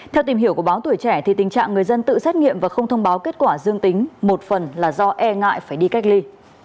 theo tìm hiểu của báo tuổi trẻ tình trạng người dân tự xét nghiệm và không thông báo kết quả dương tính một phần là do e ngại phải đi cách ly